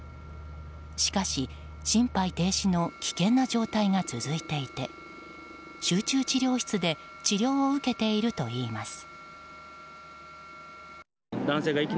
しかし、心肺停止の危険な状態が続いていて集中治療室で治療を受けているといいます。